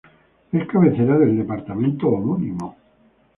Es cabecera del departamento homónimo.